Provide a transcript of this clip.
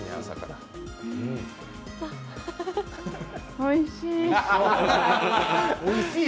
おいしい。